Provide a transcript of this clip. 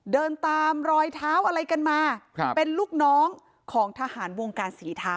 เดินตามรอยเท้าอะไรกันมาเป็นลูกน้องของทหารวงการสีเท้า